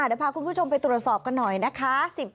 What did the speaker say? เดี๋ยวพาคุณผู้ชมไปตรวจสอบกันหน่อยนะคะ